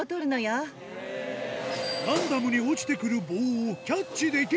ランダムに落ちてくる棒をキャッチできるか？